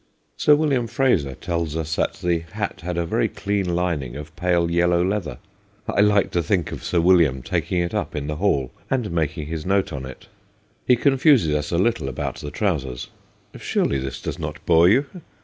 Sir William Eraser tells us that the hat had a very clean lining of pale yellow leather : I like to think of Sir William taking it up in the hall and making his note on it. He confuses us a little about the trousers surely this does not bore you?